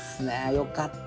よかった。